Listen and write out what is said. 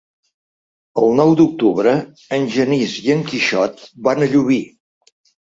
El nou d'octubre en Genís i en Quixot van a Llubí.